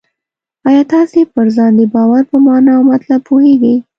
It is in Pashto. آیا تاسې پر ځان د باور په مانا او مطلب پوهېږئ؟